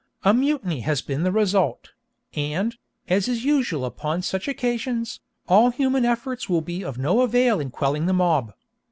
A mutiny has been the result; and, as is usual upon such occasions, all human efforts will be of no avail in quelling the mob.